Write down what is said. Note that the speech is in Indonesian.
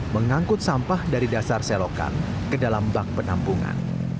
mengangkut sampah dari dasar selokan ke dalam bak penampungan